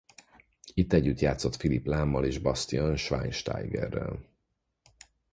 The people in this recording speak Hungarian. Itt együtt játszott Philipp Lahmmal és Bastian Schweinsteigerrel.